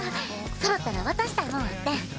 そろったら渡したいもんあってん。